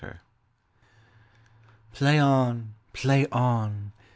]PLAY on! Play on!